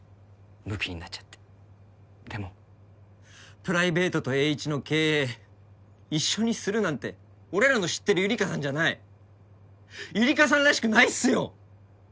ムキになっちゃってでもプライベートとエーイチの経営一緒にするなんて俺らの知ってるゆりかさんじゃないゆりかさんらしくないっすよ